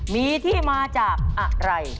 มีที่มาจากอะไร